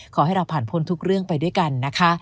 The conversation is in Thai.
ขอให้เราผ่านพ้นทุกเรื่องไปด้วยกันนะคะ